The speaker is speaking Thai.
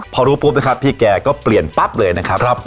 พอรู้ปุ๊บนะครับพี่แกก็เปลี่ยนปั๊บเลยนะครับ